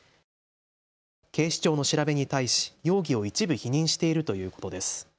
警視庁の調べに対し容疑を一部否認しているということです。